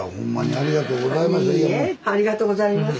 ありがとうございます。